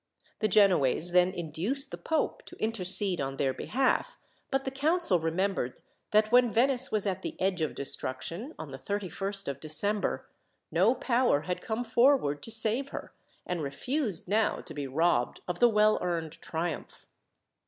The Genoese then induced the pope to intercede on their behalf; but the council remembered that when Venice was at the edge of destruction, on the 31st of December, no power had come forward to save her, and refused now to be robbed of the well earned triumph.